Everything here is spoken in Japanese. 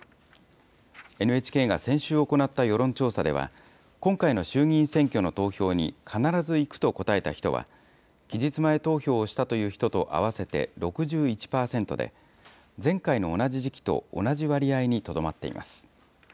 ＮＨＫが先週行った世論調査では、今回の衆議院選挙の投票に必ず行くと答えた人は、期日前投票をしたという人と合わせて６１％で、前回の同じ時期と同じ割合にとどまっています。